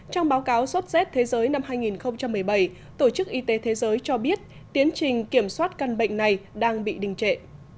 trong báo cáo sốt z thế giới năm hai nghìn một mươi bảy tổ chức y tế thế giới cho biết tiến trình kiểm soát căn bệnh này đang bị đình trệ